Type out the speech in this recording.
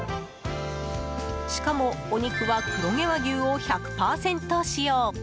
しかも、お肉は黒毛和牛を１００％使用。